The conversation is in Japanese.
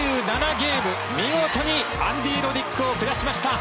ゲーム見事にアンディ・ロディックを下しました。